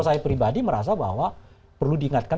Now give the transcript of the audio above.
saya pribadi merasa bahwa perlu diingatkan